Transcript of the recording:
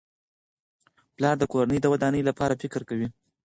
پلار د کورنۍ د ودانۍ لپاره فکر کوي.